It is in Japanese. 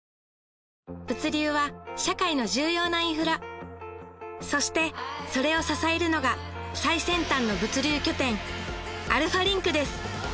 物流は社会の重要なインフラそしてそれを支えるのが最先端の物流拠点アルファリンクです